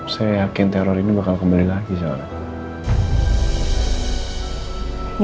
saya yakin teror ini bakal kembali lagi soalnya